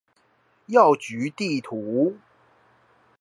藥局地圖